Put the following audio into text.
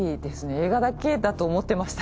映画だけだと思ってました。